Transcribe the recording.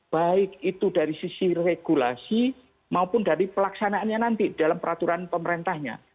baik itu dari sisi regulasi maupun dari pelaksanaannya nanti dalam peraturan pemerintahnya